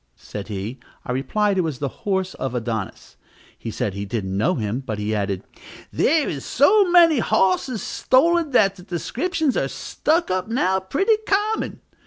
said he. I replied it was the horse of Adonis. He said he didn't know him; but, he added, "there is so many hosses stolen, that the descriptions are stuck up now pretty common."